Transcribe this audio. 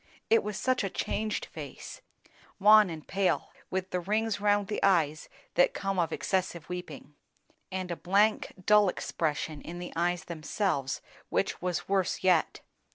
It was such a changed face; wan and pale, with the rings round the eyes that come of excessive weeping, and a blank, dull expression in the eyes themselves which was worse yet.